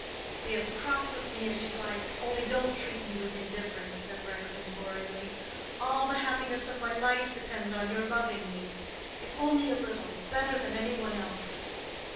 "Be as cross with me as you like—only don't treat me with indifference," said Rex, imploringly. "All the happiness of my life depends on your loving me—if only a little—better than any one else."